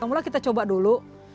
pertama kita coba dulu